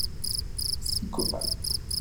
Psychopathe